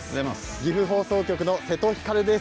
岐阜放送局の瀬戸光です。